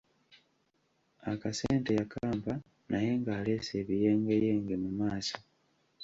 Akasente yakampa naye ng'aleese ebiyengeyenge mu maaso.